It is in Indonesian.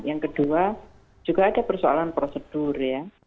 yang kedua juga ada persoalan prosedur ya